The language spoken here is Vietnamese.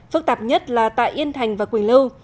phức tạp nhất là tại yên thành và quỳnh lưu